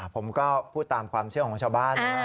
ผมก็พูดตามความเชื่อของชาวบ้านนะ